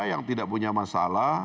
yang tidak punya masalah